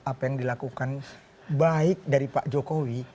apa yang dilakukan baik dari pak jokowi